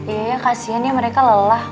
iya ya kasiannya mereka lelah